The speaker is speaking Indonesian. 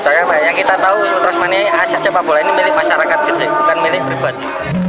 soalnya apa yang kita tahu ultras mania aset siapa bola ini milik masyarakat gresik bukan milik pribadi